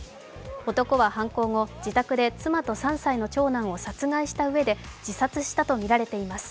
男は犯行後、自宅で妻と３歳の長男を殺害したうえで、自殺したとみられています。